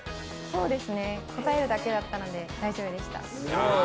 そうですね、答えるだけだったので、大丈夫でした。